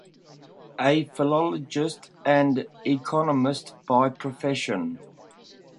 A philologist and economist by profession.